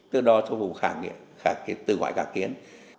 tức là đo cho vùng khả nghiệm từ ngoại các kiến